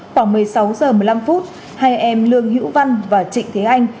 khoảng một mươi sáu h một mươi năm phút hai em lương hữu văn và trịnh thế anh